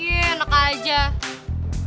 iya enak aja